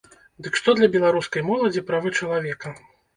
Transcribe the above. Дык што для беларускай моладзі правы чалавека?